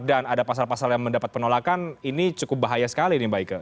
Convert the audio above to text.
dan ada pasal pasal yang mendapat penolakan ini cukup bahaya sekali nih mbak ike